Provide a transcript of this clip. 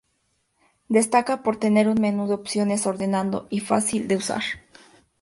Destaca por tener un menú de opciones ordenado y fácil de usar.